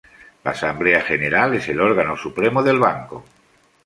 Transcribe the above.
La Asamblea general es el órgano supremo del banco.